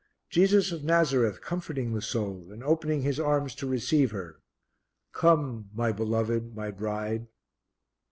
Jesus of Nazareth comforting the soul and opening His arms to receive her: "Come my Beloved, my Bride."